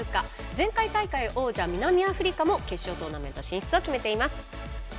前回大会王者、南アフリカも決勝トーナメント進出を決めています。